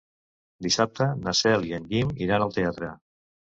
Dissabte na Cel i en Guim iran al teatre.